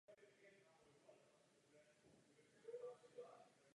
Dlouhodobě trpěl srdeční chorobou.